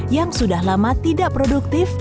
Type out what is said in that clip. yang sudah lama tidak produktif